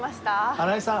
新井さん。